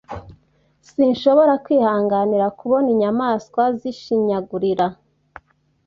Sinshobora kwihanganira kubona inyamaswa zishinyagurira.